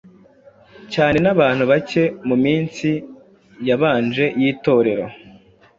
cyane n’abantu bake mu minsi yabanje y’Itorero.